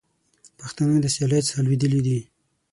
پښتانه د سیالۍ څخه لوېدلي دي.